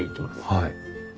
はい。